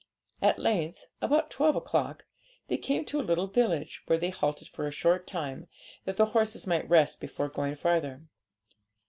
At length, about twelve o'clock, they came to a little village, where they halted for a short time, that the horses might rest before going farther.